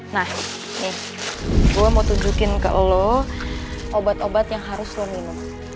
nah ini gue mau tunjukin ke lolo obat obat yang harus lo minum